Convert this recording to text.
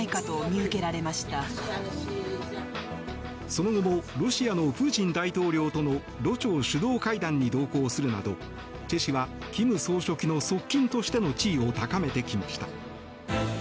その後もロシアのプーチン大統領とのロ朝首脳会談に同行するなどチェ氏は金総書記の側近としての地位を高めてきました。